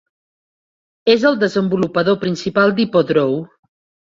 És el desenvolupador principal d'HippoDraw.